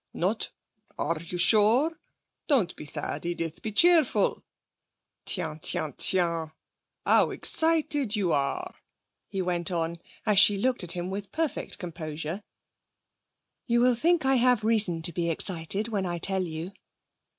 'Not? Are you sure? Don't be sad, Edith. Be cheerful. Tiens! Tiens! Tiens! How excited you are,' he went on, as she looked at him with perfect composure. 'You will think I have reason to be excited when I tell you.'